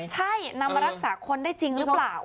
ใช่นำมารักษาคนได้จริงหรือเปล่า